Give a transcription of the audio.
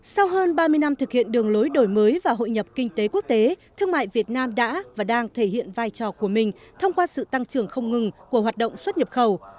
sau hơn ba mươi năm thực hiện đường lối đổi mới và hội nhập kinh tế quốc tế thương mại việt nam đã và đang thể hiện vai trò của mình thông qua sự tăng trưởng không ngừng của hoạt động xuất nhập khẩu